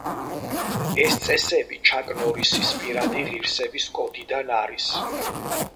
ეს წესები ჩაკ ნორისის პირადი ღირსების კოდიდან არის.